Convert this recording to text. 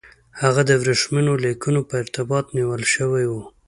هغه د ورېښمینو لیکونو په ارتباط نیول شوی وو.